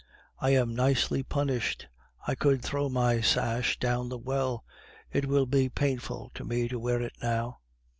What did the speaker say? I am nicely punished; I could throw my sash down the well; it will be painful to me to wear it now.